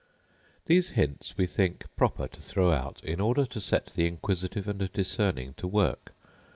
These hints we think proper to throw out in order to set the inquisitive and discerning to work.